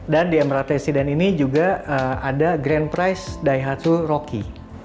dan di emerald residence ini juga ada grand prize daihatsu roki